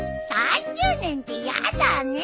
３０年ってやだね。